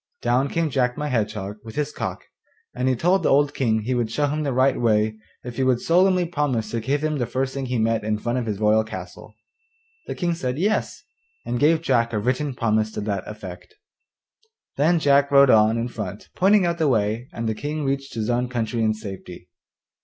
Down came Jack my Hedgehog with his cock, and told the old King he would show him the right way if he would solemnly promise to give him the first thing he met in front of his royal castle. The King said 'Yes,' and gave Jack a written promise to that effect. Then Jack rode on in front pointing out the way, and the King reached his own country in safety.